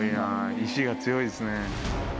意志が強いですね。